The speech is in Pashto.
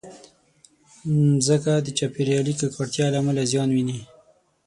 مځکه د چاپېریالي ککړتیا له امله زیان ویني.